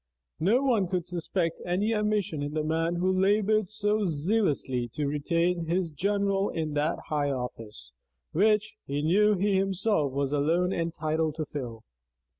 No one could suspect any ambition in the man who labored so zealously to retain his general in that high office, which, he knew, he himself was alone entitled to fill.